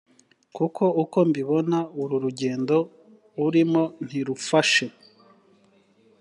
kuko uko mbibona, uru rugendo urimo ntirufashe.